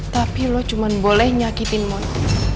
tapi lo cuma boleh nyakitin mony